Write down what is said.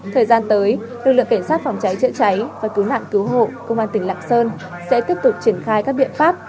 thời gian tới lực lượng cảnh sát phòng cháy chữa cháy và cứu nạn cứu hộ công an tỉnh lạng sơn sẽ tiếp tục triển khai các biện pháp